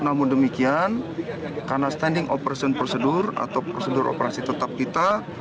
namun demikian karena standing operation procedure atau prosedur operasi tetap kita